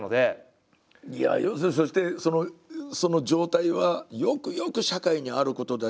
そしてその状態はよくよく社会にあることだし。